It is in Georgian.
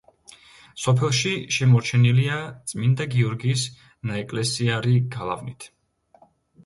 სოფელში შემორჩენილია წმინდა გიორგის ნაეკლესიარი გალავნით.